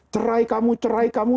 cerai kamu cerai kamu